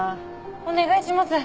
お願いします！